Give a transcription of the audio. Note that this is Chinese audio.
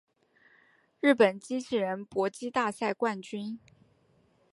日本机器人搏击大赛冠军